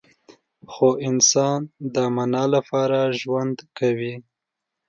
خو انسان د معنی لپاره ژوند کوي.